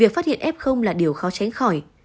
phát hiện f là điều khó tránh khỏi